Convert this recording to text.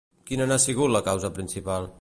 Quina n'ha sigut la causa principal?